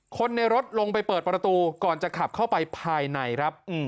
คนในรถลงไปเปิดประตูก่อนจะขับเข้าไปภายในครับ